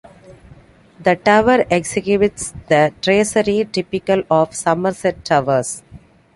The tower exhibits the tracery typical of Somerset towers.